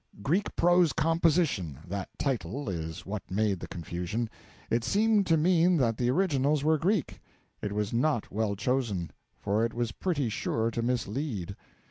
'Greek Prose Composition' that title is what made the confusion. It seemed to mean that the originals were Greek. It was not well chosen, for it was pretty sure to mislead.